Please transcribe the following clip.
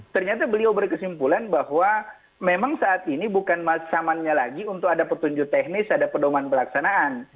ternyata beliau berkesimpulan bahwa memang saat ini bukan zamannya lagi untuk ada petunjuk teknis ada pedoman pelaksanaan